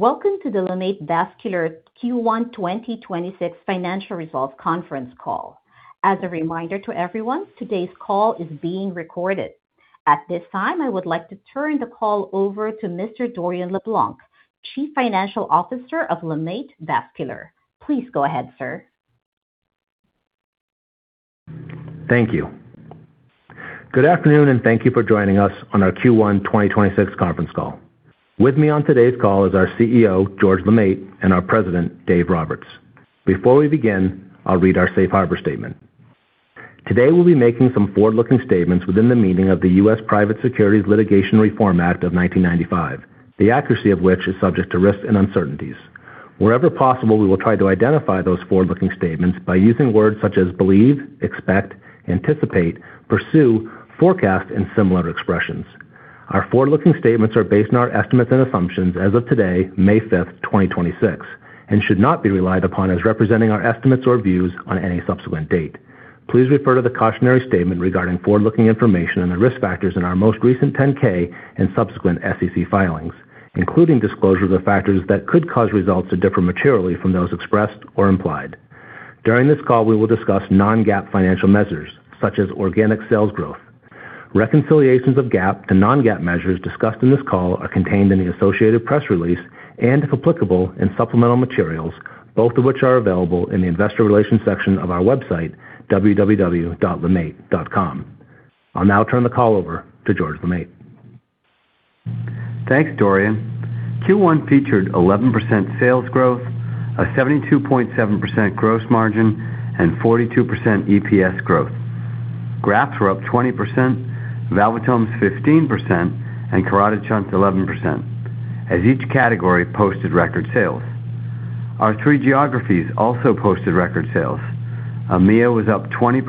Welcome to the LeMaitre Vascular Q1 2026 financial results conference call. As a reminder to everyone, today's call is being recorded. At this time, I would like to turn the call over to Mr. Dorian LeBlanc, Chief Financial Officer of LeMaitre Vascular. Please go ahead, sir. Thank you. Good afternoon, and thank you for joining us on our Q1 2026 conference call. With me on today's call is our CEO, George LeMaitre, and our President, Dave Roberts. Before we begin, I'll read our safe harbor statement. Today, we'll be making some forward-looking statements within the meaning of the U.S. Private Securities Litigation Reform Act of 1995, the accuracy of which is subject to risks and uncertainties. Wherever possible, we will try to identify those forward-looking statements by using words such as believe, expect, anticipate, pursue, forecast, and similar expressions. Our forward-looking statements are based on our estimates and assumptions as of today, May 5, 2026, and should not be relied upon as representing our estimates or views on any subsequent date. Please refer to the cautionary statement regarding forward-looking information and the risk factors in our most recent 10-K and subsequent SEC filings, including disclosure of the factors that could cause results to differ materially from those expressed or implied. During this call, we will discuss non-GAAP financial measures, such as organic sales growth. Reconciliations of GAAP to non-GAAP measures discussed in this call are contained in the associated press release and, if applicable, in supplemental materials, both of which are available in the Investor Relations section of our website, www.lemaitre.com. I'll now turn the call over to George LeMaitre. Thanks, Dorian. Q1 featured 11% sales growth, a 72.7% gross margin, and 42% EPS growth. Grafts were up 20%, valvulotomes 15%, and carotid shunts 11%, as each category posted record sales. Our three geographies also posted record sales. EMEA was up 20%,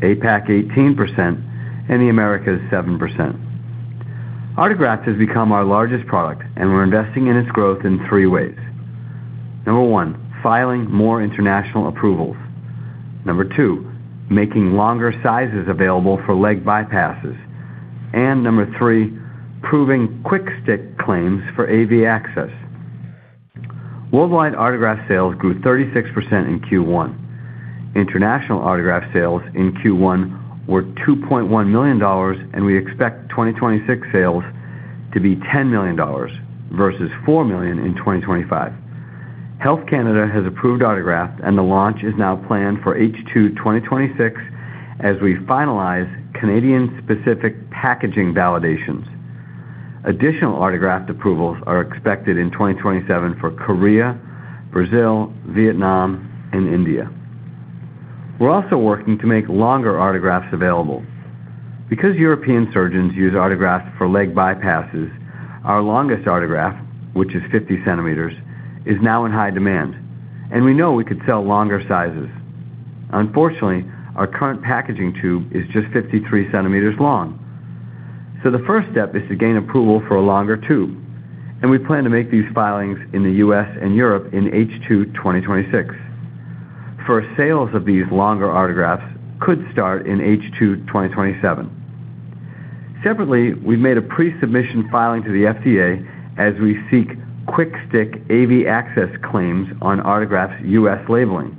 APAC 18%, and the Americas 7%. Artegraft has become our largest product, and we're investing in its growth in three ways. Number one, filing more international approvals. Number two, making longer sizes available for leg bypasses. Number three, proving Quick Stick claims for AV access. Worldwide Artegraft sales grew 36% in Q1. International Artegraft sales in Q1 were $2.1 million, and we expect 2026 sales to be $10 million versus $4 million in 2025. Health Canada has approved Artegraft, and the launch is now planned for H2 2026 as we finalize Canadian-specific packaging validations. Additional Artegraft approvals are expected in 2027 for Korea, Brazil, Vietnam and India. We're also working to make longer Artegrafts available. Because European surgeons use Artegrafts for leg bypasses, our longest Artegraft, which is 50 cm, is now in high demand, and we know we could sell longer sizes. Unfortunately, our current packaging tube is just 53 cm long. The first step is to gain approval for a longer tube, and we plan to make these filings in the U.S. and Europe in H2 2026. First sales of these longer Artegrafts could start in H2 2027. Separately, we've made a pre-submission filing to the FDA as we seek Quick Stick AV access claims on Artegrafts U.S. labeling.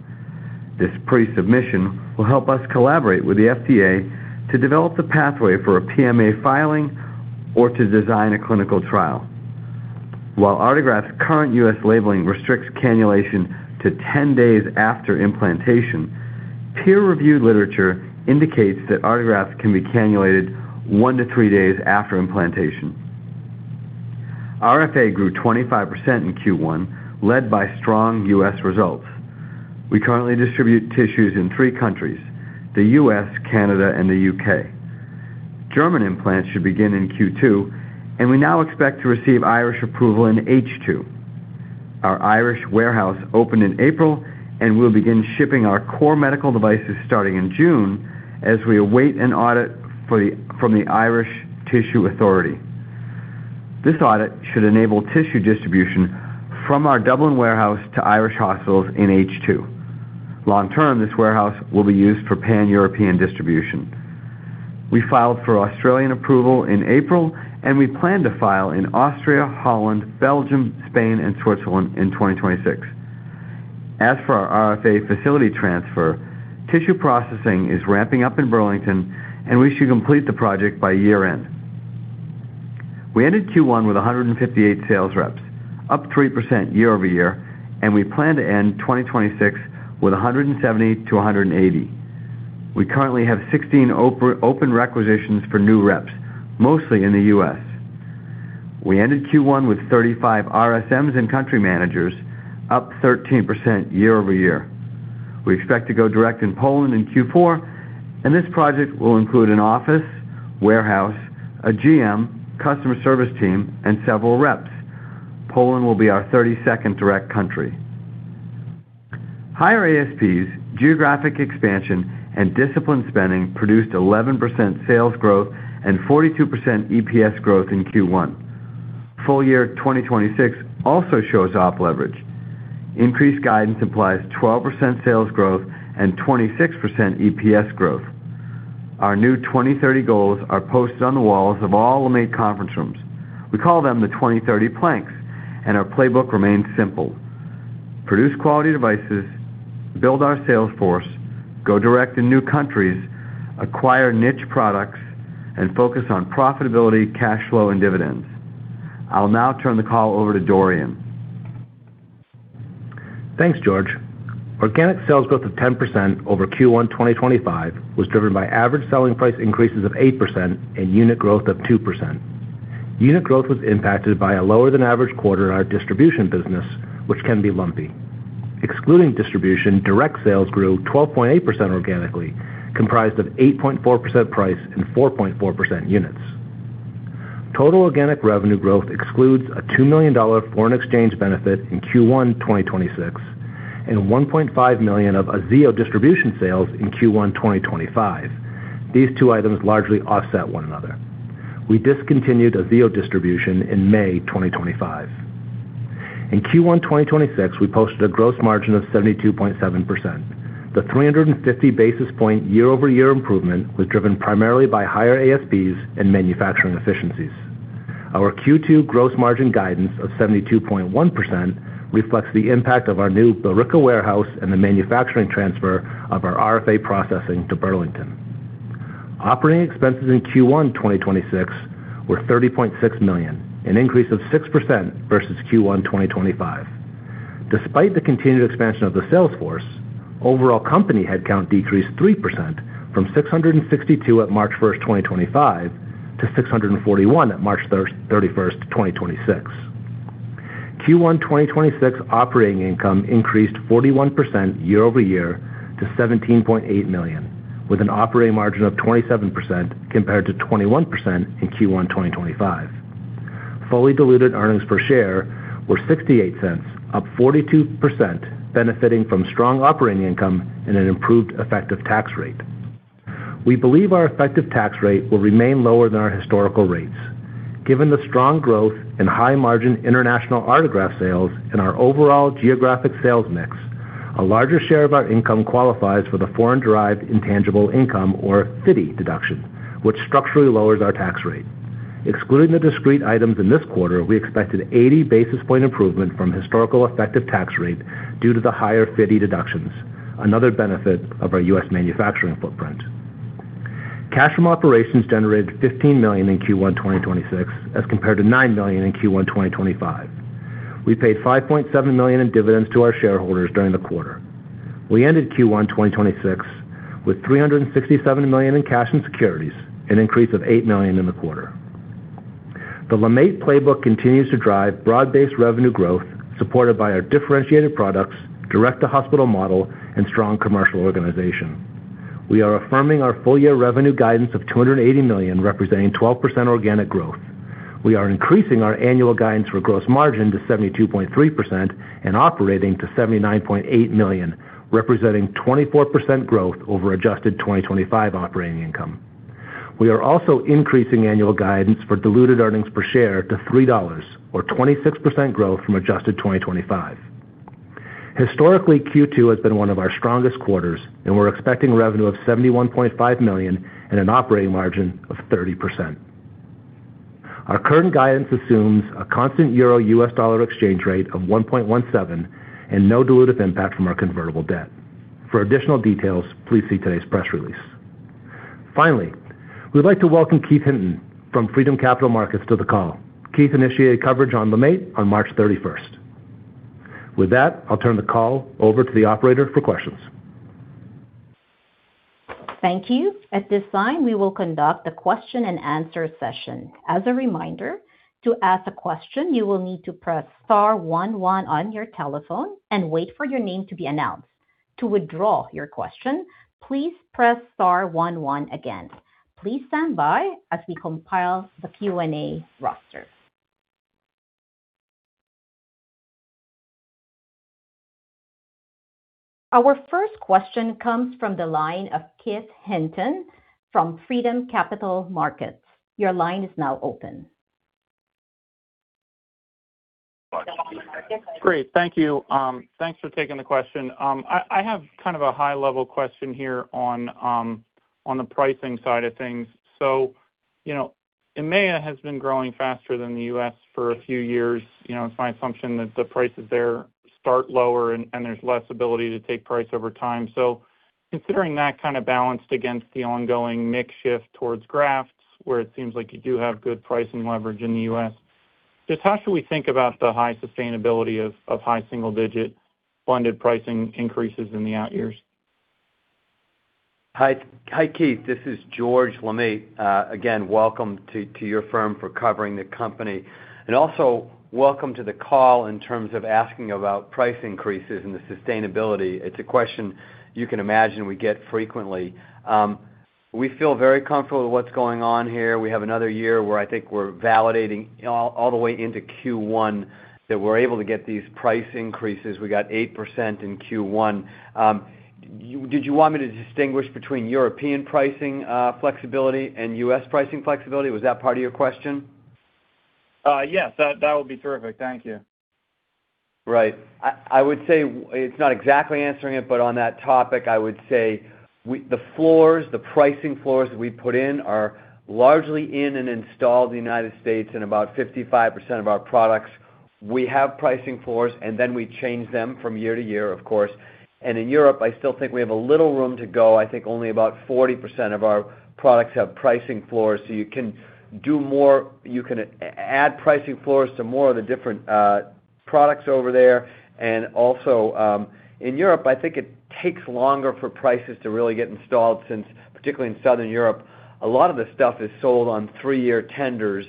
This pre-submission will help us collaborate with the FDA to develop the pathway for a PMA filing or to design a clinical trial. While Artegraft's current U.S. labeling restricts cannulation to 10 days after implantation, peer-reviewed literature indicates that Artegraft can be cannulated one to three days after implantation. RFA grew 25% in Q1, led by strong U.S. results. We currently distribute tissues in three countries: the U.S., Canada, and the U.K. German implants should begin in Q2, and we now expect to receive Irish approval in H2. Our Irish warehouse opened in April, and we'll begin shipping our core medical devices starting in June as we await an audit from the Irish Tissue Authority. This audit should enable tissue distribution from our Dublin warehouse to Irish hospitals in H2. Long term, this warehouse will be used for Pan-European distribution. We filed for Australian approval in April. We plan to file in Austria, Holland, Belgium, Spain, and Switzerland in 2026. As for our RFA facility transfer, tissue processing is ramping up in Burlington. We should complete the project by year-end. We ended Q1 with 158 sales reps, up 3% year-over-year. We plan to end 2026 with 170-180. We currently have 16 open requisitions for new reps, mostly in the U.S. We ended Q1 with 35 RSMs and country managers, up 13% year-over-year. We expect to go direct in Poland in Q4. This project will include an office, warehouse, a GM, customer service team, and several reps. Poland will be our 32nd direct country. Higher ASPs, geographic expansion, and disciplined spending produced 11% sales growth and 42% EPS growth in Q1. Full-year 2026 also shows op leverage. Increased guidance implies 12% sales growth and 26% EPS growth. Our new 2030 goals are posted on the walls of all LeMaitre conference rooms. We call them the 20/30 planks, and our playbook remains simple: produce quality devices, build our sales force, go direct in new countries, acquire niche products, and focus on profitability, cash flow, and dividends. I'll now turn the call over to Dorian. Thanks, George. Organic sales growth of 10% over Q1 2025 was driven by average selling price increases of 8% and unit growth of 2%. Unit growth was impacted by a lower than average quarter in our distribution business, which can be lumpy. Excluding distribution, direct sales grew 12.8% organically, comprised of 8.4% price and 4.4% units. Total organic revenue growth excludes a $2 million foreign exchange benefit in Q1 2026 and $1.5 million of Aziyo distribution sales in Q1 2025. These two items largely offset one another. We discontinued Aziyo distribution in May 2025. In Q1 2026, we posted a gross margin of 72.7%. The 350 basis point year-over-year improvement was driven primarily by higher ASPs and manufacturing efficiencies. Our Q2 gross margin guidance of 72.1% reflects the impact of our new Billerica warehouse and the manufacturing transfer of our RFA processing to Burlington. Operating expenses in Q1 2026 were $30.6 million, an increase of 6% versus Q1 2025. Despite the continued expansion of the sales force, overall company headcount decreased 3% from 662 at March 1st, 2025 to 641 at March 31st, 2026. Q1 2026 operating income increased 41% year-over-year to $17.8 million, with an operating margin of 27% compared to 21% in Q1 2025. Fully diluted earnings per share were $0.68, up 42% benefiting from strong operating income and an improved effective tax rate. We believe our effective tax rate will remain lower than our historical rates. Given the strong growth in high-margin international Artegraft sales and our overall geographic sales mix, a larger share of our income qualifies for the foreign-derived intangible income or FDII deduction, which structurally lowers our tax rate. Excluding the discrete items in this quarter, we expect an 80 basis point improvement from historical effective tax rate due to the higher FDII deductions, another benefit of our U.S. manufacturing footprint. Cash from operations generated $15 million in Q1 2026 as compared to $9 million in Q1 2025. We paid $5.7 million in dividends to our shareholders during the quarter. We ended Q1 2026 with $367 million in cash and securities, an increase of $8 million in the quarter. The LeMaitre playbook continues to drive broad-based revenue growth supported by our differentiated products, direct-to-hospital model, and strong commercial organization. We are affirming our full-year revenue guidance of $280 million, representing 12% organic growth. We are increasing our annual guidance for gross margin to 72.3% and operating to $79.8 million, representing 24% growth over adjusted 2025 operating income. We are also increasing annual guidance for diluted earnings per share to $3 or 26% growth from adjusted 2025. Historically, Q2 has been one of our strongest quarters, and we're expecting revenue of $71.5 million and an operating margin of 30%. Our current guidance assumes a constant euro/U.S. dollar exchange rate of 1.17 and no dilutive impact from our convertible debt. For additional details, please see today's press release. We'd like to welcome Keith Hinton from Freedom Capital Markets to the call. Keith initiated coverage on LeMaitre on March 31st. With that, I'll turn the call over to the operator for questions. Thank you. At this time, we will conduct a question and answer session. As a reminder, to ask a question, you will need to press star one one on your telephone and wait for your name to be announced. To withdraw your question, please press star one one again. Please stand by as we compile the Q&A roster. Our first question comes from the line of Keith Hinton from Freedom Capital Markets. Your line is now open. Great. Thank you. Thanks for taking the question. I have kind of a high-level question here on the pricing side of things. You know, EMEA has been growing faster than the U.S. for a few years. You know, it's my assumption that the prices there start lower and there's less ability to take price over time. Considering that kind of balanced against the ongoing mix shift towards grafts where it seems like you do have good pricing leverage in the U.S., just how should we think about the high sustainability of high single-digit funded pricing increases in the out years? Hi, Keith. This is George LeMaitre. Again, welcome to your firm for covering the company, and also welcome to the call in terms of asking about price increases and the sustainability. It's a question you can imagine we get frequently. We feel very comfortable with what's going on here. We have another year where I think we're validating all the way into Q1 that we're able to get these price increases. We got 8% in Q1. Did you want me to distinguish between European pricing flexibility and U.S. pricing flexibility? Was that part of your question? Yes. That would be terrific. Thank you. I would say it's not exactly answering it, but on that topic, I would say the floors, the pricing floors we put in are largely in and installed in the United States in about 55% of our products. Then we change them from year to year, of course. In Europe, I still think we have a little room to go. I think only about 40% of our products have pricing floors. You can do more. You can add pricing floors to more of the different products over there. Also, in Europe, I think it takes longer for prices to really get installed since, particularly in Southern Europe, a lot of the stuff is sold on three-year tenders,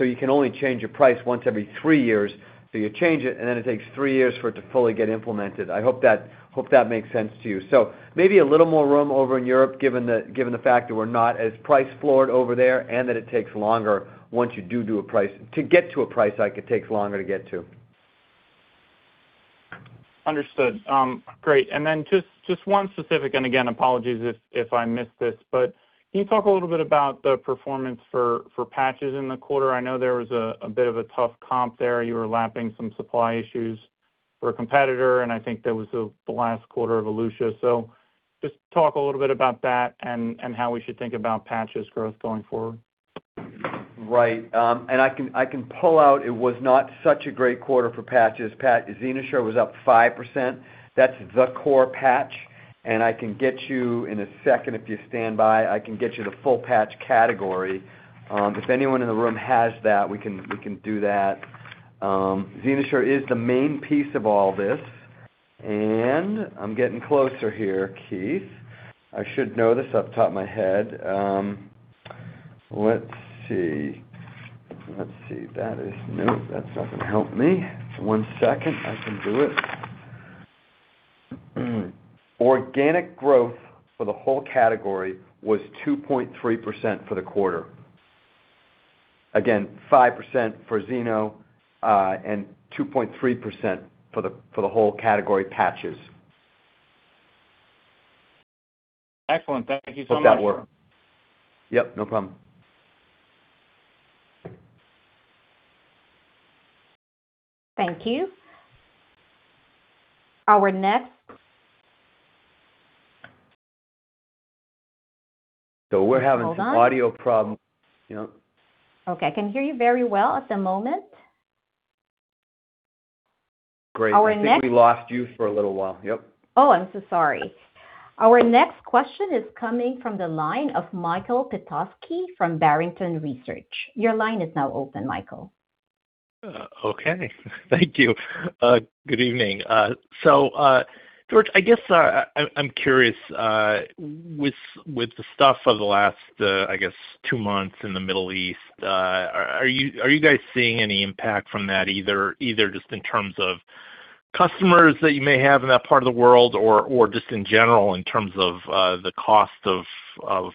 you can only change your price once every three years. You change it, and then it takes three years for it to fully get implemented. I hope that makes sense to you. Maybe a little more room over in Europe, given the fact that we're not as price floored over there and that it takes longer once you get to a price hike, it takes longer to get to. Understood. Great. Just one specific, again, apologies if I missed this, but can you talk a little bit about the performance for patches in the quarter? I know there was a bit of a tough comp there. You were lapping some supply issues for a competitor, and I think that was the last quarter of Elutia. Just talk a little bit about that and how we should think about patches growth going forward. Right. I can pull out. It was not such a great quarter for patches. XenoSure was up 5%. That's the core patch. I can get you in a second if you stand by, I can get you the full patch category. If anyone in the room has that, we can do that. XenoSure is the main piece of all this. I'm getting closer here, Keith. I should know this off the top of my head. Let's see. That's not gonna help me. One second, I can do it. Organic growth for the whole category was 2.3% for the quarter. Again, 5% for XenoSure, and 2.3% for the whole category patches. Excellent. Thank you so much. Hope that worked. Yep, no problem. Thank you. We're having some audio problem, you know. Okay. I can hear you very well at the moment. Great. Our next- I think we lost you for a little while. Yep. Oh, I'm so sorry. Our next question is coming from the line of Michael Petusky from Barrington Research. Your line is now open, Michael. Okay. Thank you. Good evening. George, I guess, I'm curious, with the stuff of the last, I guess two months in the Middle East, are you guys seeing any impact from that either just in terms of customers that you may have in that part of the world or just in general in terms of the cost of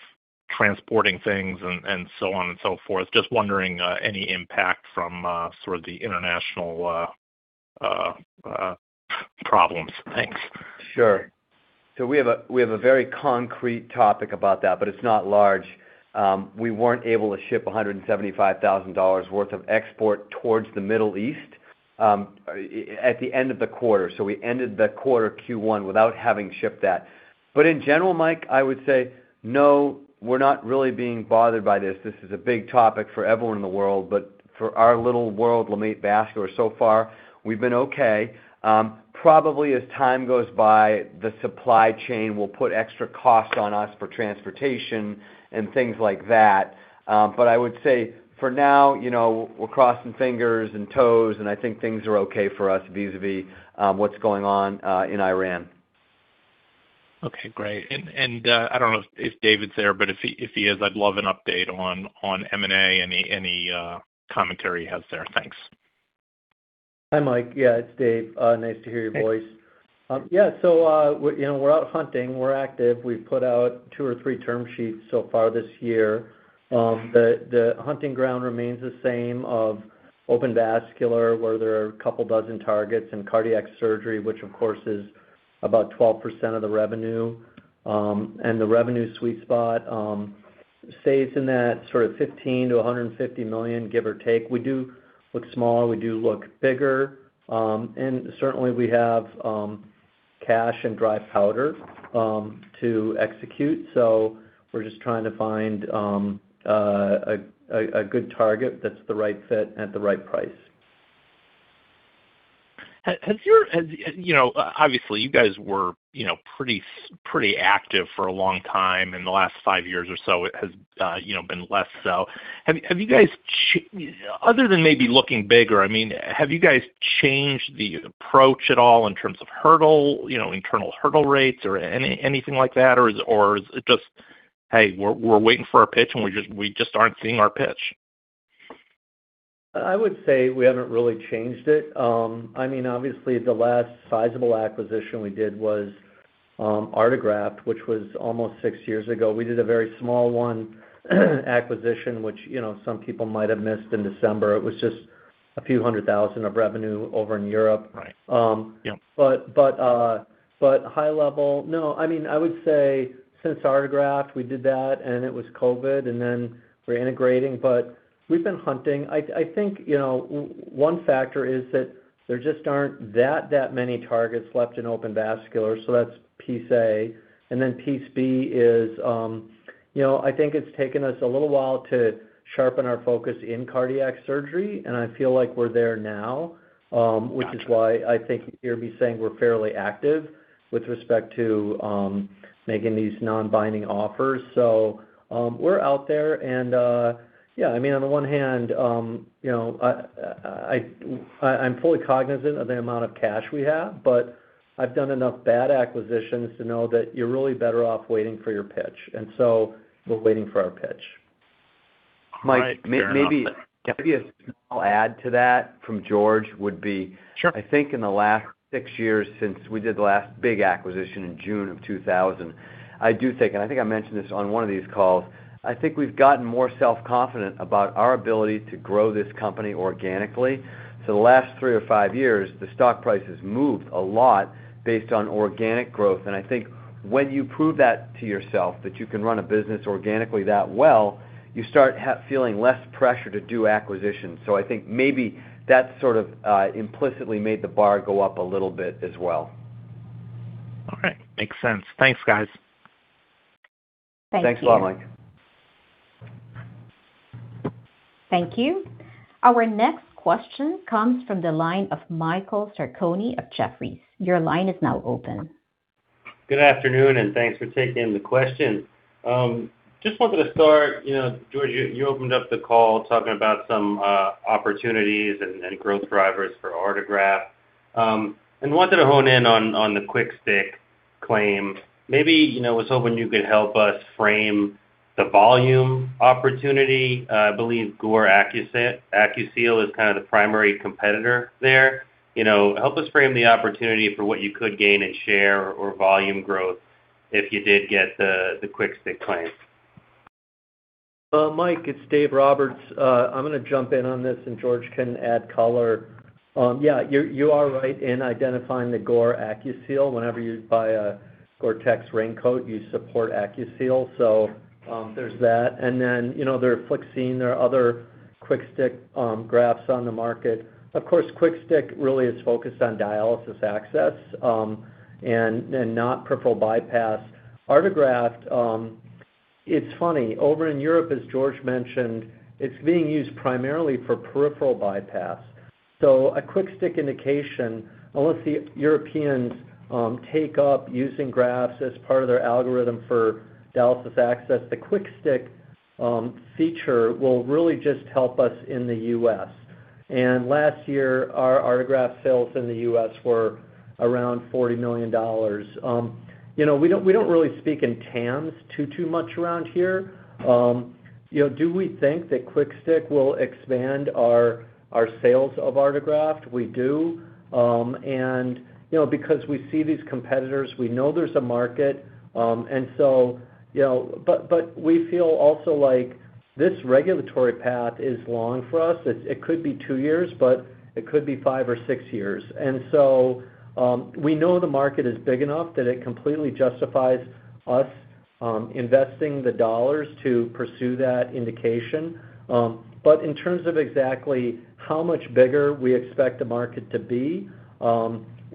transporting things and so on and so forth? Just wondering, any impact from sort of the international problems. Thanks. Sure. We have a very concrete topic about that, but it's not large. We weren't able to ship $175,000 worth of export towards the Middle East at the end of the quarter. We ended the quarter Q1 without having shipped that. In general, Mike, I would say, no, we're not really being bothered by this. This is a big topic for everyone in the world, but for our little world, LeMaitre Vascular, so far, we've been okay. Probably as time goes by, the supply chain will put extra costs on us for transportation and things like that. I would say for now, you know, we're crossing fingers and toes, and I think things are okay for us vis-à-vis what's going on in Iran. Okay, great. I don't know if Dave's there, but if he is, I'd love an update on M&A, any commentary he has there. Thanks. Hi, Mike. Yeah, it's Dave. Nice to hear your voice. Thanks. Yeah. You know, we're out hunting, we're active. We've put out two or three term sheets so far this year. The hunting ground remains the same of open vascular, where there are a couple dozen targets in cardiac surgery, which of course is about 12% of the revenue, and the revenue sweet spot stays in that sort of $15 million-$150 million, give or take. We do look smaller, we do look bigger. Certainly we have cash and dry powder to execute. We're just trying to find a good target that's the right fit at the right price. Has, you know, obviously you guys were, you know, pretty active for a long time. In the last five years or so it has, you know, been less so. Have you guys, other than maybe looking bigger, I mean, have you guys changed the approach at all in terms of hurdle, you know, internal hurdle rates or anything like that? Or is it just, hey, we're waiting for our pitch and we just aren't seeing our pitch? I would say we haven't really changed it. I mean, obviously the last sizable acquisition we did was Artegraft, which was almost six years ago. We did a very small one acquisition, which, you know, some people might have missed in December. It was just a few hundred thousand of revenue over in Europe. Right. Yep. High level, no, I mean, I would say since Artegraft, we did that, and it was COVID, and then we're integrating, but we've been hunting. I think, you know, one factor is that there just aren't that many targets left in open vascular, so that's piece A. Piece B is, you know, I think it's taken us a little while to sharpen our focus in cardiac surgery, and I feel like we're there now, which is why I think you hear me saying we're fairly active with respect to making these non-binding offers. We're out there and, yeah, I mean, on the one hand, you know, I'm fully cognizant of the amount of cash we have, but I've done enough bad acquisitions to know that you're really better off waiting for your pitch. We're waiting for our pitch. Mike- All right. Fair enough. Maybe a small add to that from George. Sure. I think in the last six years since we did the last big acquisition in June of 2000, I do think, and I think I mentioned this on one of these calls, I think we've gotten more self-confident about our ability to grow this company organically. The last three or five years, the stock price has moved a lot based on organic growth. When you prove that to yourself that you can run a business organically that well, you start feeling less pressure to do acquisitions. I think maybe that sort of implicitly made the bar go up a little bit as well. All right. Makes sense. Thanks, guys. Thank you. Thanks a lot, Mike. Thank you. Our next question comes from the line of Michael Sarcone of Jefferies. Your line is now open. Good afternoon, thanks for taking the question. Just wanted to start, you know, George, you opened up the call talking about some opportunities and growth drivers for Artegraft. Wanted to hone in on the Quick Stick claim. Maybe, you know, was hoping you could help us frame the volume opportunity. I believe GORE ACUSEAL is kind of the primary competitor there. You know, help us frame the opportunity for what you could gain in share or volume growth if you did get the Quick Stick claim. Mike, it's Dave Roberts. I'm gonna jump in on this, and George can add color. Yeah, you're right in identifying the GORE ACUSEAL. Whenever you buy a GORE-TEX raincoat, you support ACUSEAL. There's that. Then, you know, there are Flixene, there are other Quick Stick grafts on the market. Of course, Quick Stick really is focused on dialysis access, and not peripheral bypass. Artegraft, it's funny. Over in Europe, as George mentioned, it's being used primarily for peripheral bypass. A Quick Stick indication, unless the Europeans take up using grafts as part of their algorithm for dialysis access, the Quick Stick feature will really just help us in the U.S. Last year, our Artegraft sales in the U.S. were around $40 million. You know, we don't really speak in TAMs too much around here. You know, do we think that Quick Stick will expand our sales of Artegraft? We do. Because we see these competitors, we know there's a market. You know, but we feel also like this regulatory path is long for us. It could be two years, but it could be five or six years. We know the market is big enough that it completely justifies us investing the dollars to pursue that indication. In terms of exactly how much bigger we expect the market to be,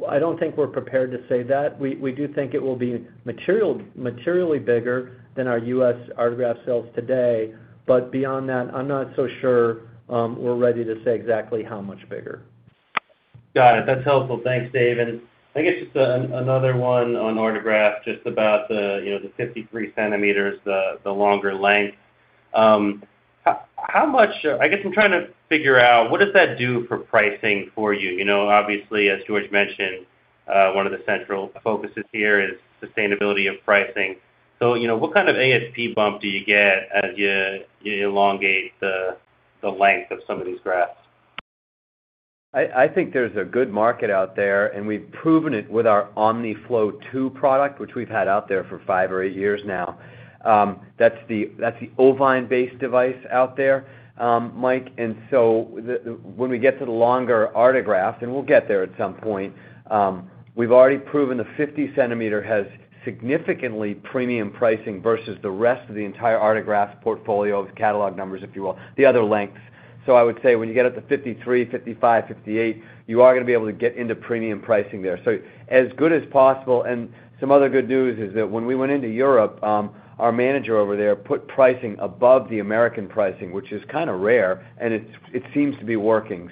I don't think we're prepared to say that. We do think it will be materially bigger than our U.S. Artegraft sales today, but beyond that, I'm not so sure, we're ready to say exactly how much bigger. Got it. That's helpful. Thanks, Dave. I guess just another one on Artegraft, just about the, you know, the 53 cm, the longer length. How much I guess I'm trying to figure out what does that do for pricing for you? You know, obviously, as George mentioned, one of the central focuses here is sustainability of pricing. You know, what kind of ASP bump do you get as you elongate the length of some of these grafts? I think there's a good market out there, and we've proven it with our Omniflow II product, which we've had out there for five or eight years now. That's the ovine-based device out there, Mike. When we get to the longer Artegraft, and we'll get there at some point, we've already proven the 50 cm has significantly premium pricing versus the rest of the entire Artegraft portfolio of catalog numbers, if you will, the other lengths. I would say when you get up to 53, 55, 58, you are going to be able to get into premium pricing there. As good as possible. Some other good news is that when we went into Europe, our manager over there put pricing above the American pricing, which is kind of rare, and it seems to be working.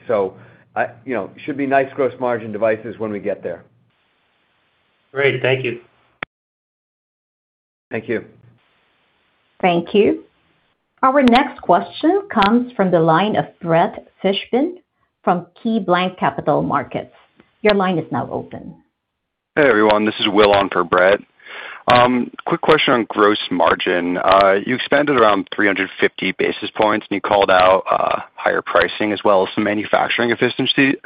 I You know, should be nice gross margin devices when we get there. Great. Thank you. Thank you. Thank you. Our next question comes from the line of Brett Fishbin from KeyBanc Capital Markets. Your line is now open. Hey, everyone. This is Will on for Brett. Quick question on gross margin. You expanded around 350 basis points, and you called out higher pricing as well as some manufacturing efficiencies.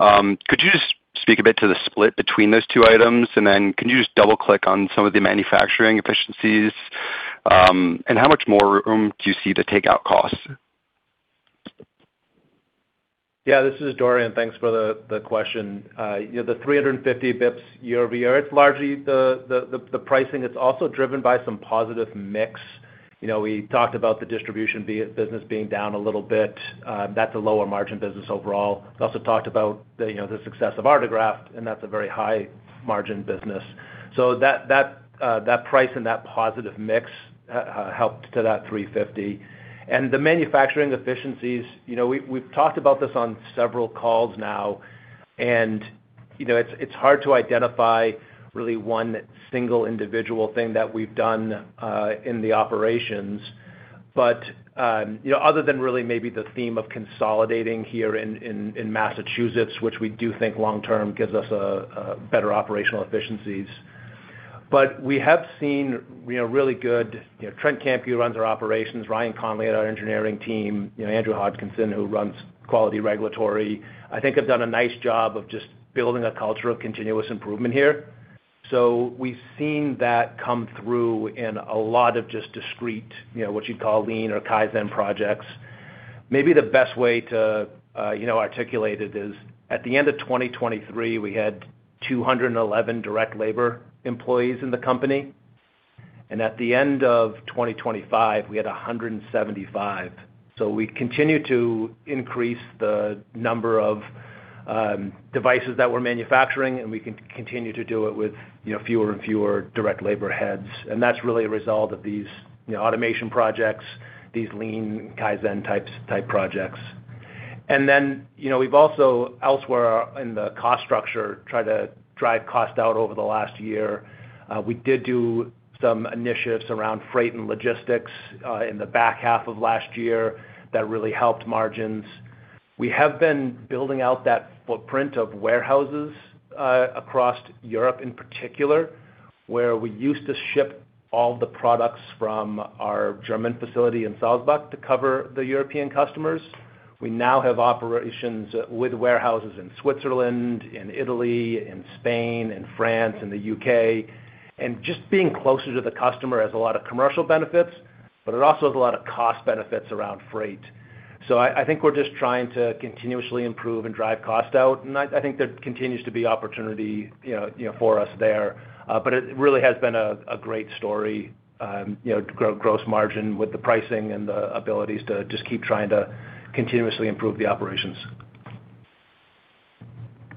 Could you just speak a bit to the split between those two items? Then can you just double-click on some of the manufacturing efficiencies? How much more room do you see to take out costs? This is Dorian. Thanks for the question. You know, the 350 basis points year over year, it's largely the pricing. It's also driven by some positive mix. You know, we talked about the distribution business being down a little bit. That's a lower margin business overall. We also talked about, you know, the success of Artegraft, and that's a very high margin business. That price and that positive mix helped to that 350. The manufacturing efficiencies, you know, we've talked about this on several calls now, and, you know, it's hard to identify really one single individual thing that we've done in the operations. You know, other than really maybe the theme of consolidating here in Massachusetts, which we do think long term gives us a better operational efficiencies. We have seen, you know, really good, you know, Trent Kamke who runs our Operations, Ryan Connelly on our engineering team, you know, Andrew Hodgkinson, who runs Quality Regulatory, I think have done a nice job of just building a culture of continuous improvement here. We've seen that come through in a lot of just discrete, you know, what you'd call lean or Kaizen projects. Maybe the best way to, you know, articulate it is at the end of 2023, we had 211 direct labor employees in the company. At the end of 2025, we had 175. We continue to increase the number of devices that we're manufacturing, and we can continue to do it with, you know, fewer and fewer direct labor heads. That's really a result of these, you know, automation projects, these lean Kaizen type projects. You know, we've also elsewhere in the cost structure, tried to drive cost out over the last year. We did do some initiatives around freight and logistics in the back half of last year that really helped margins. We have been building out that footprint of warehouses across Europe in particular, where we used to ship all the products from our German facility in Salzburg to cover the European customers. We now have operations with warehouses in Switzerland, in Italy, in Spain, in France, in the U.K. Just being closer to the customer has a lot of commercial benefits, but it also has a lot of cost benefits around freight. I think we're just trying to continuously improve and drive cost out, and I think there continues to be opportunity, you know, for us there. It really has been a great story, you know, to grow gross margin with the pricing and the abilities to just keep trying to continuously improve the operations.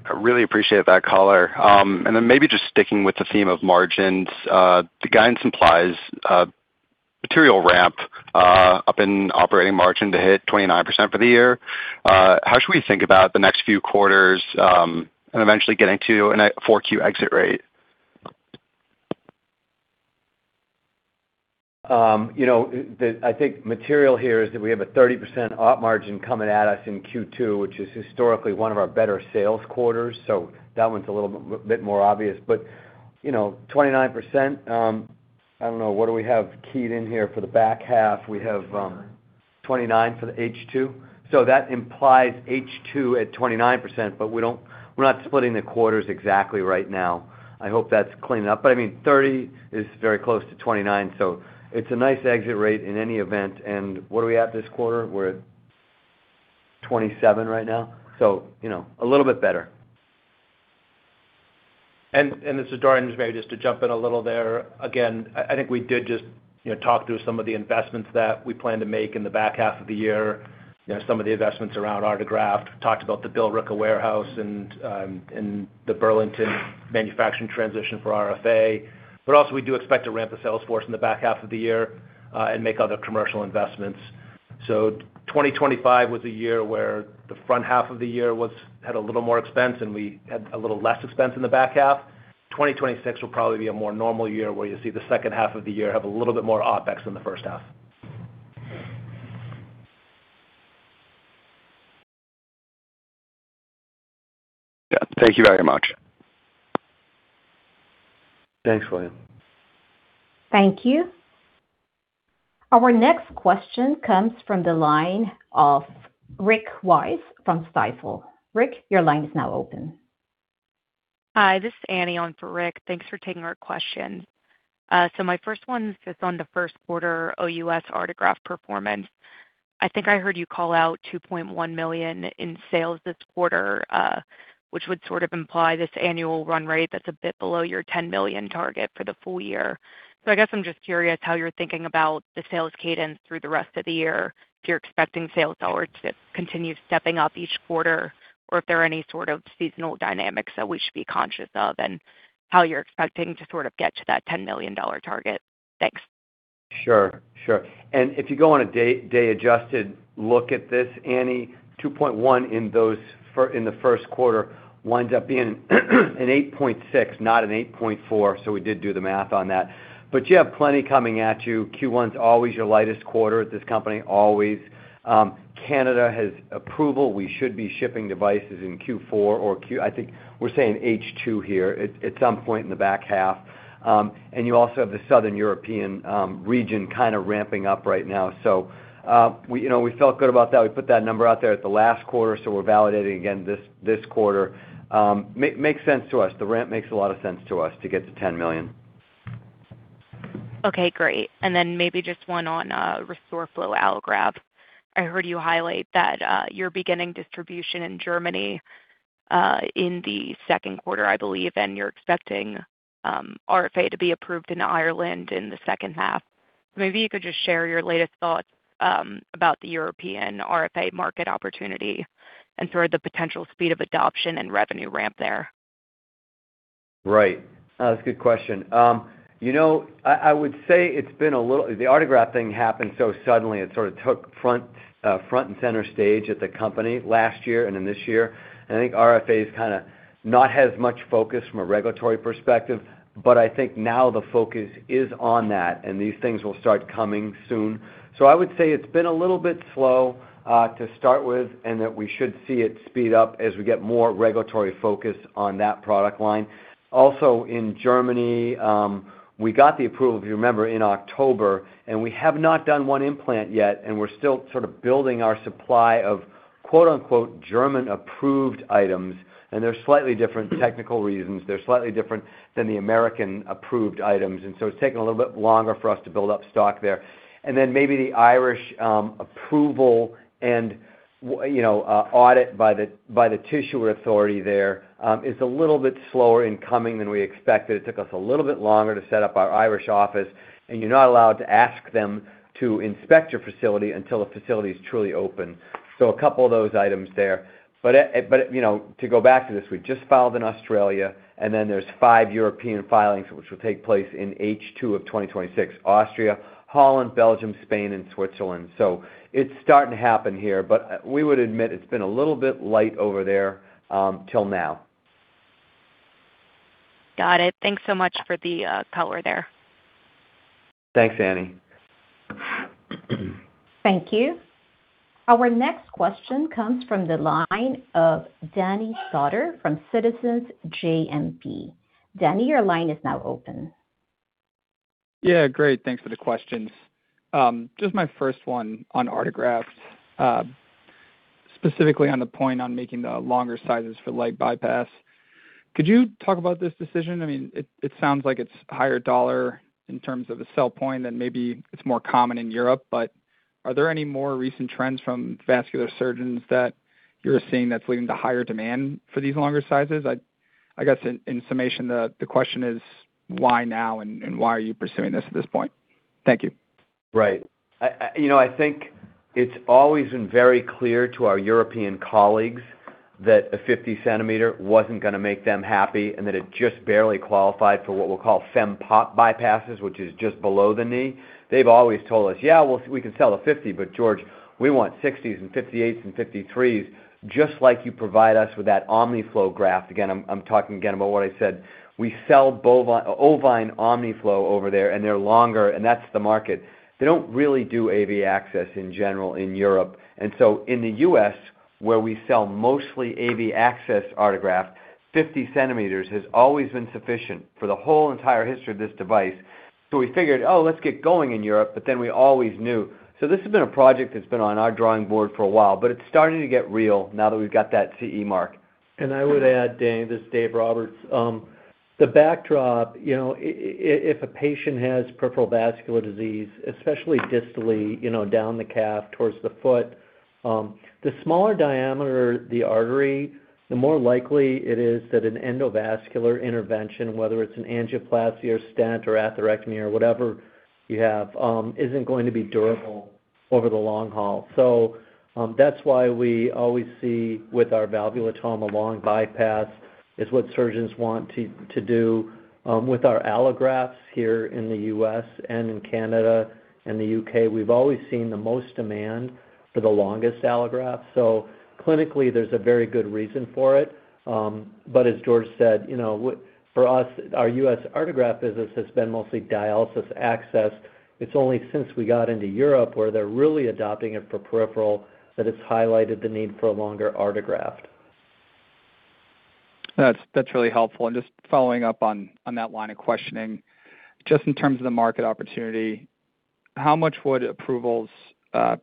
I really appreciate that color. Maybe just sticking with the theme of margins, the guidance implies material ramp up in operating margin to hit 29% for the year. How should we think about the next few quarters and eventually getting to a 4Q exit rate? You know, I think material here is that we have a 30% op margin coming at us in Q2, which is historically one of our better sales quarters. That one's a little bit more obvious. You know, 29%, I don't know, what do we have keyed in here for the back half? 29% for the H2. That implies H2 at 29%, but we're not splitting the quarters exactly right now. I hope that's cleaning up. I mean, 30% is very close to 29%, so it's a nice exit rate in any event. What are we at this quarter? We're at 27% right now, so, you know, a little bit better. This is Dorian, just maybe just to jump in a little there. I think we did just, you know, talk through some of the investments that we plan to make in the back half of the year. You know, some of the investments around Artegraft. Talked about the Billerica warehouse and the Burlington manufacturing transition for RFA. Also, we do expect to ramp the sales force in the back half of the year and make other commercial investments. 2025 was a year where the front half of the year had a little more expense, and we had a little less expense in the back half. 2026 will probably be a more normal year, where you see the second half of the year have a little bit more OpEx than the first half. Yeah. Thank you very much. Thanks, Will. Thank you. Our next question comes from the line of Rick Wise from Stifel. Rick, your line is now open. Hi, this is Annie on for Rick. Thanks for taking our question. My first one is just on the first quarter OUS Artegraft performance. I think I heard you call out $2.1 million in sales this quarter, which would sort of imply this annual run rate that's a bit below your $10 million target for the full-year. I guess I'm just curious how you're thinking about the sales cadence through the rest of the year, if you're expecting sales dollars to continue stepping up each quarter, or if there are any sort of seasonal dynamics that we should be conscious of, and how you're expecting to sort of get to that $10 million target. Thanks. Sure. Sure. If you go on a day adjusted look at this, Annie, $2.1 million in the first quarter winds up being an $8.6 million, not an $8.4 million. We did do the math on that. You have plenty coming at you. Q1's always your lightest quarter at this company, always. Canada has approval. We should be shipping devices in Q4 or I think we're saying H2 here at some point in the back half. You also have the Southern European region kind of ramping up right now. We, you know, we felt good about that. We put that number out there at the last quarter, we're validating again this quarter. Makes sense to us. The ramp makes a lot of sense to us to get to $10 million. Okay, great. Then maybe just one on RestoreFlow allograft. I heard you highlight that you're beginning distribution in Germany in the second quarter, I believe, and you're expecting RFA to be approved in Ireland in the second half. Maybe you could just share your latest thoughts about the European RFA market opportunity and sort of the potential speed of adoption and revenue ramp there. Right. That's a good question. You know, I would say The Artegraft thing happened so suddenly, it sort of took front and center stage at the company last year and then this year. I think RFA is kinda not as much focused from a regulatory perspective, but I think now the focus is on that, these things will start coming soon. I would say it's been a little bit slow to start with, that we should see it speed up as we get more regulatory focus on that product line. Also, in Germany, we got the approval, if you remember, in October, we have not done one implant yet, we're still sort of building our supply of quote-unquote German approved items, they're slightly different technical reasons. They're slightly different than the American approved items, so it's taken a little bit longer for us to build up stock there. Maybe the Irish approval and you know, audit by the tissue authority there is a little bit slower in coming than we expected. It took us a little bit longer to set up our Irish office, and you're not allowed to ask them to inspect your facility until the facility is truly open. A couple of those items there. You know, to go back to this, we just filed in Australia, and then there's five European filings, which will take place in H2 of 2026, Austria, Holland, Belgium, Spain, and Switzerland. It's starting to happen here, but we would admit it's been a little bit light over there till now. Got it. Thanks so much for the color there. Thanks, Annie. Thank you. Our next question comes from the line of Danny Stauder from Citizens JMP. Danny, your line is now open. Yeah, great. Thanks for the questions. just my first one on Artegrafts. specifically on the point on making the longer sizes for leg bypass. Could you talk about this decision? I mean, it sounds like it's higher dollar in terms of the sell point, and maybe it's more common in Europe, but are there any more recent trends from vascular surgeons that you're seeing that's leading to higher demand for these longer sizes? I guess in summation, the question is why now and why are you pursuing this at this point? Thank you. Right. You know, I think it's always been very clear to our European colleagues that a 50 cm wasn't gonna make them happy, and that it just barely qualified for what we'll call fem-pop bypasses, which is just below the knee. They've always told us, "Yeah, we can sell a 50, but George, we want 60s and 58s and 53s, just like you provide us with that Omniflow II graft." Again, I'm talking again about what I said. We sell ovine Omniflow II over there, and they're longer, and that's the market. They don't really do AV access in general in Europe. In the U.S., where we sell mostly AV access Artegraft, 50 cm has always been sufficient for the whole entire history of this device. We figured, "Oh, let's get going in Europe," we always knew. This has been a project that's been on our drawing board for a while, but it's starting to get real now that we've got that CE mark. I would add, Danny, this is Dave Roberts. The backdrop, you know, if a patient has peripheral vascular disease, especially distally, you know, down the calf towards the foot, the smaller diameter the artery, the more likely it is that an endovascular intervention, whether it's an angioplasty or stent or atherectomy or whatever you have, isn't going to be durable over the long haul. That's why we always see with our valvulotome, a long bypass is what surgeons want to do. With our allografts here in the U.S. and in Canada and the U.K., we've always seen the most demand for the longest allograft. Clinically, there's a very good reason for it. As George said, you know, for us, our U.S. Artegraft business has been mostly dialysis access. It's only since we got into Europe, where they're really adopting it for peripheral, that it's highlighted the need for a longer Artegraft. That's really helpful. Just following up on that line of questioning, just in terms of the market opportunity, how much would approvals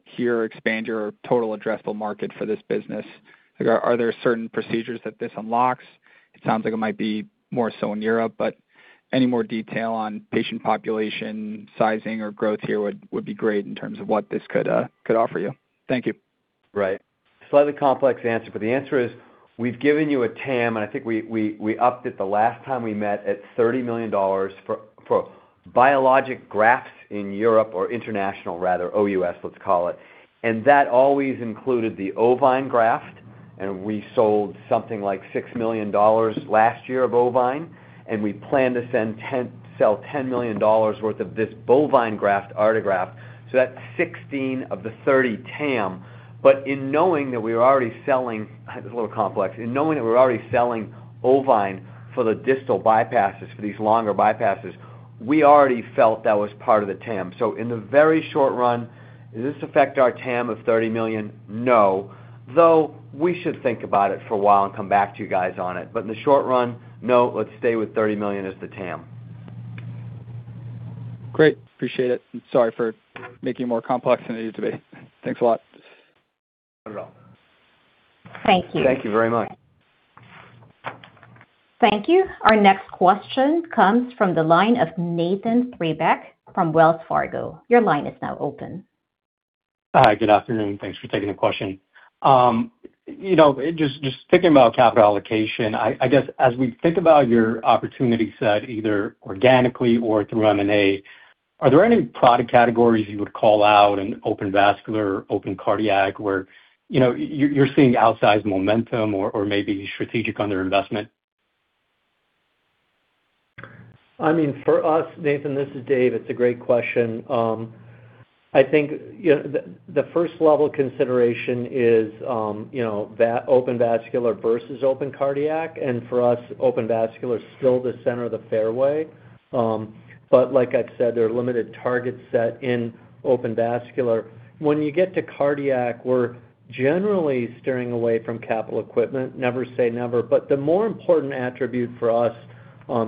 here expand your total addressable market for this business? Like, are there certain procedures that this unlocks? It sounds like it might be more so in Europe, but any more detail on patient population sizing or growth here would be great in terms of what this could offer you. Thank you. Right. The answer is, we've given you a TAM, and I think we upped it the last time we met at $30 million for biologic grafts in Europe or international rather, OUS, let's call it. That always included the ovine graft, and we sold something like $6 million last year of ovine, and we plan to sell $10 million worth of this bovine graft Artegraft, so that's $16 million of the $30 million TAM. It's a little complex. In knowing that we're already selling ovine for the distal bypasses, for these longer bypasses, we already felt that was part of the TAM. In the very short run, does this affect our TAM of $30 million? No. Though we should think about it for a while and come back to you guys on it. In the short run, no, let's stay with $30 million as the TAM. Great. Appreciate it. Sorry for making it more complex than it needs to be. Thanks a lot. Not at all. Thank you. Thank you very much. Thank you. Our next question comes from the line of Nathan Treybeck from Wells Fargo. Your line is now open. Hi. Good afternoon. Thanks for taking the question. you know, just thinking about capital allocation, I guess as we think about your opportunity set, either organically or through M&A, are there any product categories you would call out in open vascular, open cardiac where, you know, you're seeing outsized momentum or maybe strategic under investment? I mean, for us, Nathan, this is Dave, it's a great question. I think, you know, the first level consideration is, you know, open vascular versus open cardiac. For us, open vascular is still the center of the fairway. Like I've said, there are limited target set in open vascular. When you get to cardiac, we're generally steering away from capital equipment. Never say never, the more important attribute for us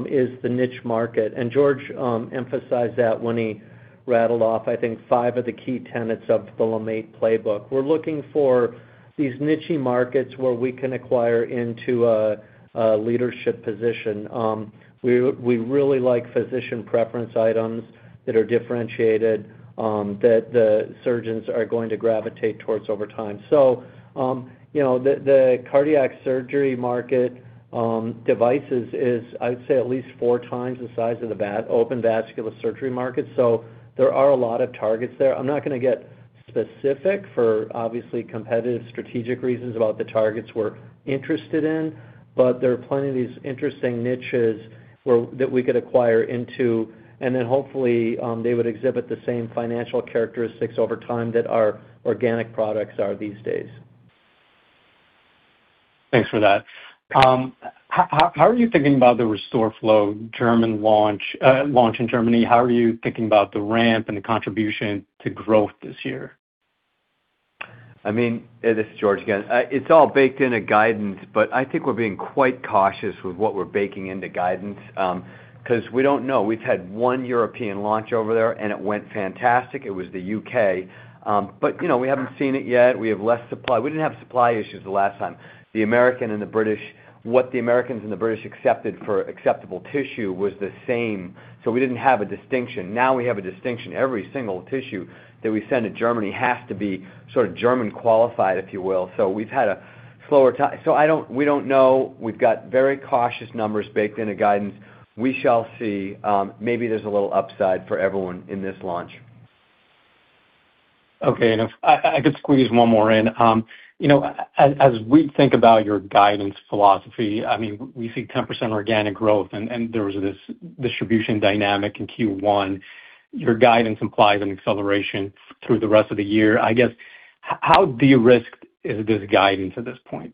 is the niche market. George emphasized that when he rattled off, I think five of the key tenets of the LeMaitre playbook. We're looking for these niche markets where we can acquire into a leadership position. We really like physician preference items that are differentiated, that the surgeons are going to gravitate towards over time. You know, the cardiac surgery market devices is, I would say at least four times the size of the open vascular surgery market. There are a lot of targets there. I'm not gonna get specific for obviously competitive strategic reasons about the targets we're interested in, but there are plenty of these interesting niches where that we could acquire into, and then hopefully, they would exhibit the same financial characteristics over time that our organic products are these days. Thanks for that. How are you thinking about the RestoreFlow German launch in Germany? How are you thinking about the ramp and the contribution to growth this year? I mean, this is George again. It's all baked in a guidance, but I think we're being quite cautious with what we're baking into guidance because we don't know. We've had one European launch over there, and it went fantastic. It was the U.K. But, you know, we haven't seen it yet. We have less supply. We didn't have supply issues the last time. The American and the British, what the Americans and the British accepted for acceptable tissue was the same, so we didn't have a distinction. Now, we have a distinction. Every single tissue that we send to Germany has to be sort of German qualified, if you will. We've had a slower. We don't know. We've got very cautious numbers baked in a guidance. We shall see. Maybe there's a little upside for everyone in this launch. Okay. If I could squeeze one more in. you know, as we think about your guidance philosophy, I mean, we see 10% organic growth and there was this distribution dynamic in Q1. Your guidance implies an acceleration through the rest of the year. I guess, how de-risked is this guidance at this point?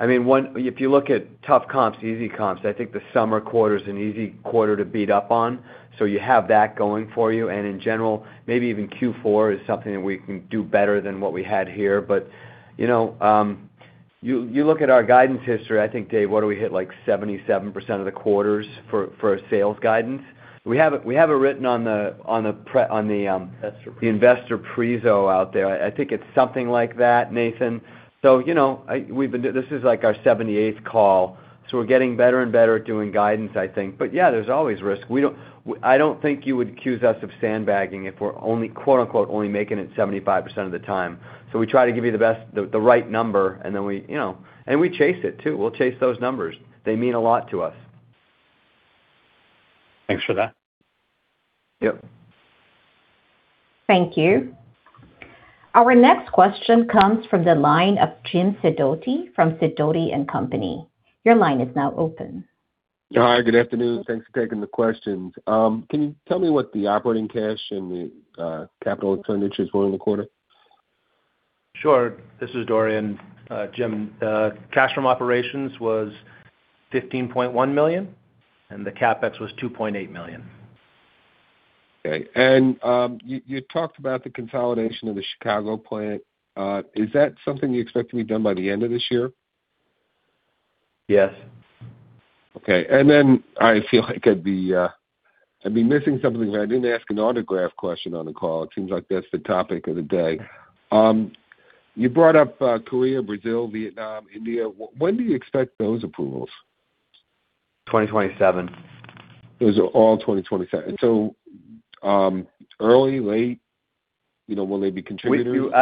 I mean, one, if you look at tough comps, easy comps, I think the summer quarter is an easy quarter to beat up on. You have that going for you. In general, maybe even Q4 is something that we can do better than what we had here. You know, you look at our guidance history, I think, Dave, what do we hit, like 77% of the quarters for a sales guidance. We have it written on the Investor prezo out there. I think it's something like that, Nathan. You know, this is like our 78th call, so we're getting better and better at doing guidance, I think. Yeah, there's always risk. I don't think you would accuse us of sandbagging if we're only quote-unquote, only making it 75% of the time. We try to give you the best, the right number, and then we, you know. We chase it too. We'll chase those numbers. They mean a lot to us. Thanks for that. Yep. Thank you. Our next question comes from the line of Jim Sidoti from Sidoti & Company. Your line is now open. Hi, good afternoon. Thanks for taking the questions. Can you tell me what the operating cash and the capital expenditures were in the quarter? Sure. This is Dorian. Jim, cash from operations was $15.1 million, and the CapEx was $2.8 million. Okay. You talked about the consolidation of the Chicago plant. Is that something you expect to be done by the end of this year? Yes. Okay. Then I feel like I'd be missing something if I didn't ask an Artegraft question on the call. It seems like that's the topic of the day. You brought up Korea, Brazil, Vietnam, India. When do you expect those approvals? 2027. Those are all 2027. Early, late, you know, will they be contributors? We do,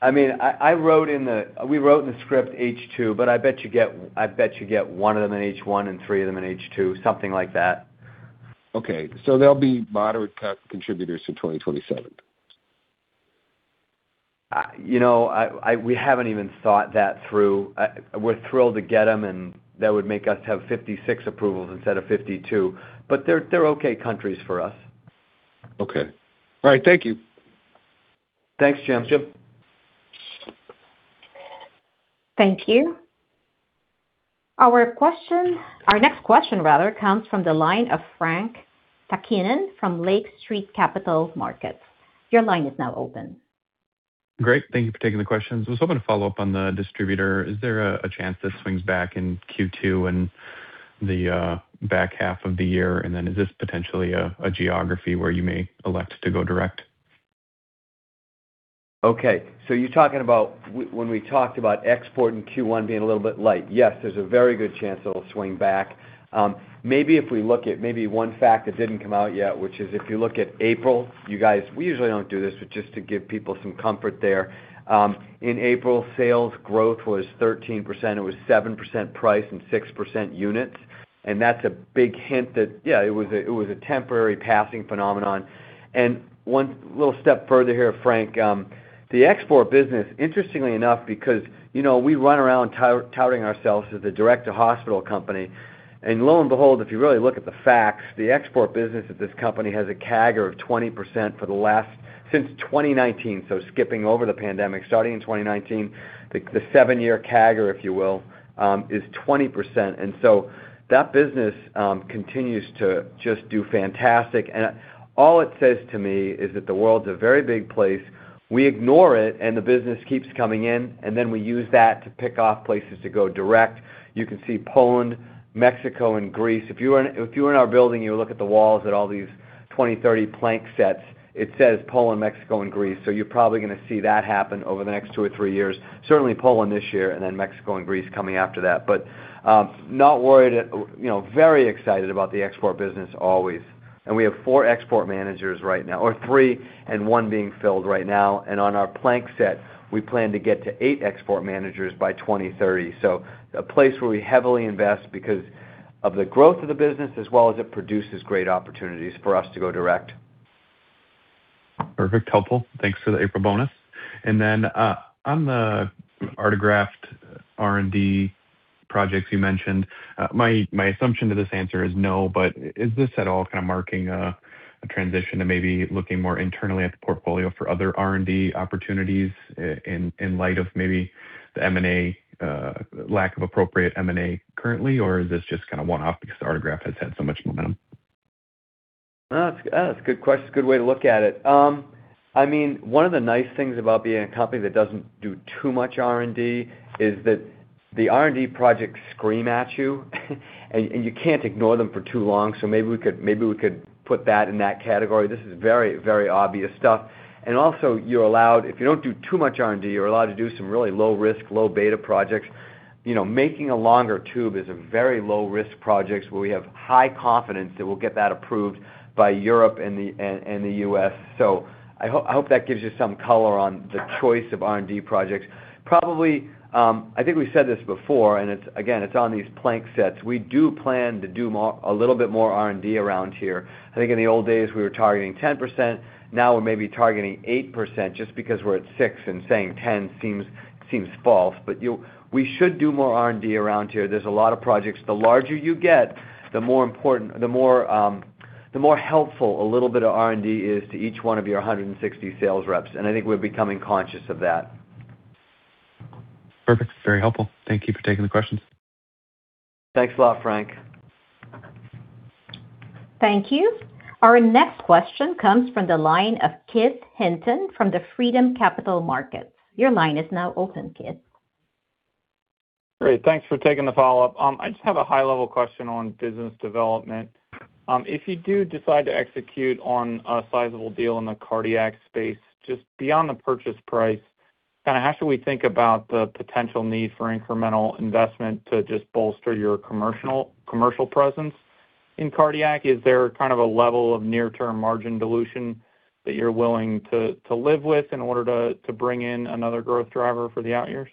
I mean, we wrote in the script H2, but I bet you get one of them in H1 and three of them in H2, something like that. Okay. They'll be moderate contributors to 2027. You know, we haven't even thought that through. We're thrilled to get them, and that would make us have 56 approvals instead of 52, but they're okay countries for us. Okay. All right. Thank you. Thanks, Jim. Thank you. Our next question, rather, comes from the line of Frank Takkinen from Lake Street Capital Markets. Your line is now open. Great. Thank you for taking the questions. I was hoping to follow up on the distributor. Is there a chance this swings back in Q2 and the back half of the year? Is this potentially a geography where you may elect to go direct? You're talking about when we talked about export in Q1 being a little bit light. Yes, there's a very good chance it'll swing back. Maybe if we look at one fact that didn't come out yet, which is if you look at April, you guys, we usually don't do this, but just to give people some comfort there. In April, sales growth was 13%. It was 7% price and 6% units, that's a big hint that, yeah, it was a temporary passing phenomenon. One little step further here, Frank, the export business, interestingly enough, because, you know, we run around touting ourselves as a direct to hospital company. Lo and behold, if you really look at the facts, the export business of this company has a CAGR of 20% for the last since 2019. Skipping over the pandemic, starting in 2019, the seven-year CAGR, if you will, is 20%. That business continues to just do fantastic. All it says to me is that the world's a very big place. We ignore it, and the business keeps coming in, and then we use that to pick off places to go direct. You can see Poland, Mexico and Greece. If you were in our building, you would look at the walls at all these 2030 plank sets. It says Poland, Mexico and Greece. You're probably gonna see that happen over the next two or three years. Certainly Poland this year and then Mexico and Greece coming after that. Not worried. You know, very excited about the export business always. We have four export managers right now, or three and one being filled right now. On our plank set, we plan to get to eight export managers by 2030. A place where we heavily invest because of the growth of the business as well as it produces great opportunities for us to go direct. Perfect. Helpful. Thanks for the April bonus. On the Artegraft R&D projects you mentioned, my assumption to this answer is no, but is this at all kind of marking a transition to maybe looking more internally at the portfolio for other R&D opportunities in light of maybe the M&A lack of appropriate M&A currently? Is this just kind of one-off because the Artegraft has had so much momentum? That's a good question, good way to look at it. I mean, one of the nice things about being a company that doesn't do too much R&D is that the R&D projects scream at you and you can't ignore them for too long. Maybe we could put that in that category. This is very, very obvious stuff. Also, you're allowed If you don't do too much R&D, you're allowed to do some really low risk, low beta projects. You know, making a longer tube is a very low risk projects where we have high confidence that we'll get that approved by Europe and the U.S. I hope that gives you some color on the choice of R&D projects. Probably, I think we've said this before, and it's again on these plank sets. We do plan to do a little bit more R&D around here. I think in the old days we were targeting 10%. Now we're maybe targeting 8% just because we're at 6% and saying 10% seems false. We should do more R&D around here. There's a lot of projects. The larger you get, the more important the more helpful a little bit of R&D is to each one of your 160 sales reps, and I think we're becoming conscious of that. Perfect. Very helpful. Thank you for taking the questions. Thanks a lot, Frank. Thank you. Our next question comes from the line of Keith Hinton from Freedom Capital Markets. Your line is now open, Keith. Great. Thanks for taking the follow-up. I just have a high level question on business development. If you do decide to execute on a sizable deal in the cardiac space, just beyond the purchase price, kind of how should we think about the potential need for incremental investment to just bolster your commercial presence in cardiac? Is there kind of a level of near term margin dilution that you're willing to live with in order to bring in another growth driver for the out years?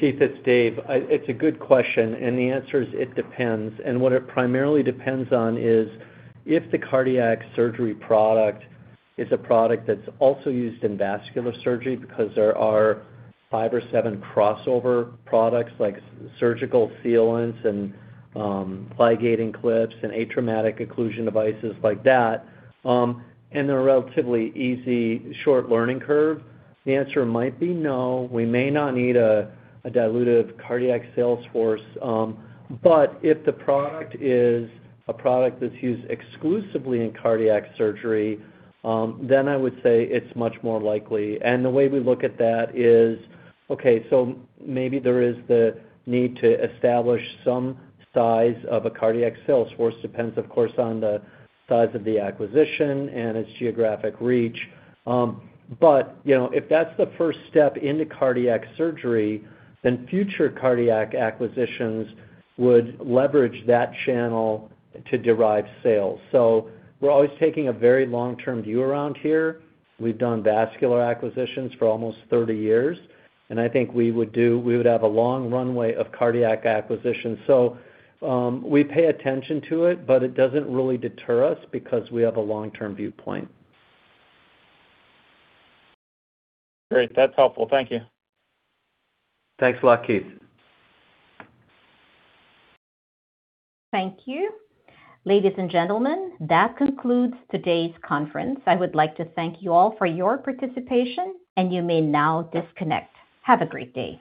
Keith, it's Dave. It's a good question. The answer is it depends. What it primarily depends on is if the cardiac surgery product is a product that's also used in vascular surgery because there are five or seven crossover products like surgical sealants, ligating clips and atraumatic occlusion devices like that, and they're a relatively easy short learning curve, the answer might be no. We may not need a dilutive cardiac sales force. If the product is a product that's used exclusively in cardiac surgery, I would say it's much more likely. The way we look at that is, okay, maybe there is the need to establish some size of a cardiac sales force. Depends, of course, on the size of the acquisition and its geographic reach. You know, if that's the first step into cardiac surgery, then future cardiac acquisitions would leverage that channel to derive sales. We're always taking a very long-term view around here. We've done vascular acquisitions for almost 30 years, and I think we would have a long runway of cardiac acquisitions. We pay attention to it, but it doesn't really deter us because we have a long-term viewpoint. Great. That's helpful. Thank you. Thanks a lot, Keith. Thank you. Ladies and gentlemen, that concludes today's conference. I would like to thank you all for your participation, and you may now disconnect. Have a great day.